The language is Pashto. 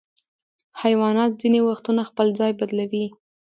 حیوانات ځینې وختونه خپل ځای بدلوي.